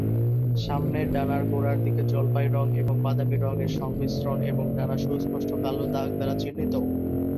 সামনের ডানার গোড়ার দিকে জলপাই রঙ এবং বাদামী রঙ এর সংমিশ্রণ, এবং ডানা সুস্পষ্ট কালো দাগ দ্বারা চিহ্নিত।